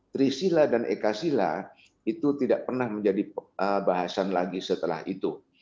trisila dan eka sila itu tidak pernah menjadi bahasan lagi setelah itu